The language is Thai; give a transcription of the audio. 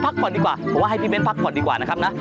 ก็ว่าให้พี่เบ้นพักก่อนกันดีกว่านะครับนะ